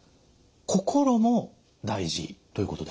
心も大事ということですか。